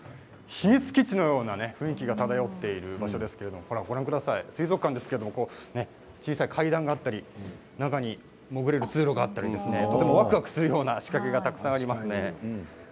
秘密基地のような雰囲気が漂っていますけれども小さい階段があったり中に潜れる通路があったりとてもわくわくするような仕掛けがたくさんあります。